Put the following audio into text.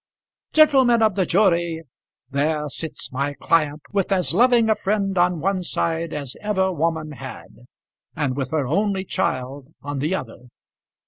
"Gentlemen of the jury, there sits my client with as loving a friend on one side as ever woman had, and with her only child on the other.